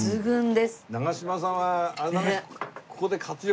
長嶋さんはあれだね。